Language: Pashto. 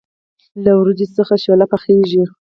له وریجو څخه شوله پخیږي.